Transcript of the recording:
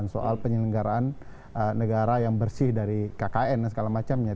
soal penyelenggaraan negara yang bersih dari kkn dan segala macamnya